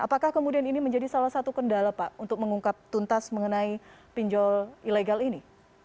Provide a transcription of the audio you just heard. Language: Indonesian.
apakah kemudian ini menjadi salah satu kendala pak untuk mengungkap tuntas mengenai pinjol ilegal ini